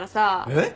えっ？